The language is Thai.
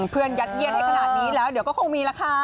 เพื่อนยัดเย็นให้ขนาดนี้แล้วเดี๋ยวก็คงมีละค่ะ